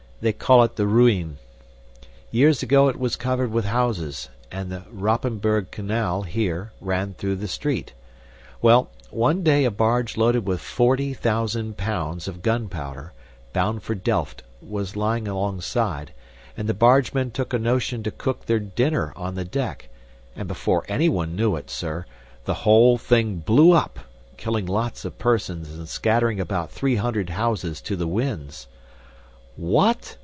They call it the Ruine. Years ago it was covered with houses, and the Rapenburg Canal, here, ran through the street. Well, one day a barge loaded with forty thousand pounds of gunpowder, bound for Delft, was lying alongside, and the bargemen took a notion to cook their dinner on the deck, and before anyone knew it, sir, the whole thing blew up, killing lots of persons and scattering about three hundred houses to the winds." "What!"